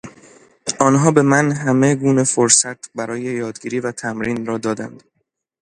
آنها به من همه گونه فرصت برای یادگیری و تمرین را دادند.